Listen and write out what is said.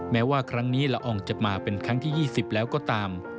แม้ว่าครั้งนี้ละอองจะมาเป็นครั้งที่๒๐แล้วก็ตาม